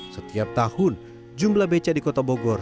setiap tahun jumlah beca di kota bogor